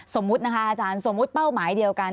สมมุตินะคะอาจารย์สมมุติเป้าหมายเดียวกัน